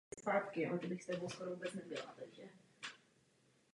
Prosazoval podporu mládežnického sportu a rovný přístup ke všem sportovním oddílům ve městě.